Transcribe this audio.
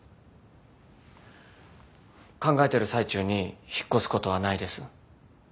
考えてる最中に引っ越すことはないです。